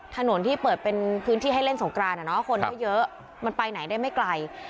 ถนนที่เปิดเป็นพื้นที่ให้เล่นสงกรานคนก็เยอะมันไปไหนได้ไม่ไกล